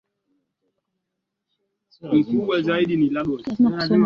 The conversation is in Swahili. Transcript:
Waliwapiga mawe kutokana na kuwalia mazao ya mashambani